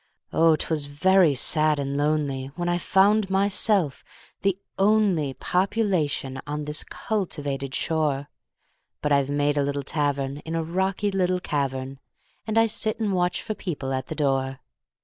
Oh! 'twas very sad and lonelyWhen I found myself the onlyPopulation on this cultivated shore; But I've made a little tavernIn a rocky little cavern, And I sit and watch for people at the door.